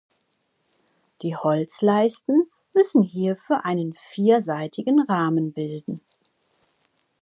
Die Holzleisten müssen hierfür einen vierseitigen Rahmen bilden.